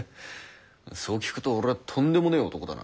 そう聞くと俺はとんでもねぇ男だな。